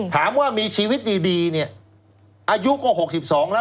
ถามว่ามีชีวิตดีเนี่ยอายุก็๖๒แล้ว